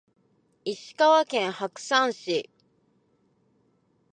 石川県白山市